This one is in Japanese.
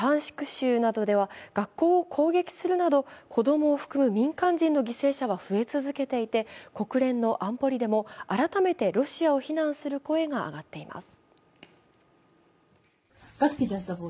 州などでは学校を攻撃するなど、子供を含む民間人の犠牲者は増え続けていて、国連の安保理でも改めてロシアを非難する声が上がっています。